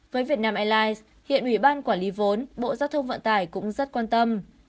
với việt nam airlines hiện ủy ban quản lý vốn bộ giao thông vận tải cũng rất quan tâm